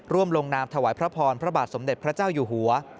ลงนามถวายพระพรพระบาทสมเด็จพระเจ้าอยู่หัว